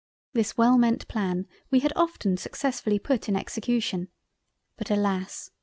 This well meant Plan we had often successfully put in Execution; but alas!